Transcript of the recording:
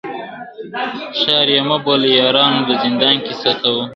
ښار یې مه بولئ یارانو د زندان کیسه کومه !.